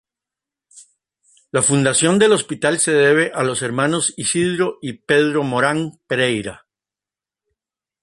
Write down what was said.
La fundación del Hospital se debe a los hermanos Isidro y Pedro Morán Pereira.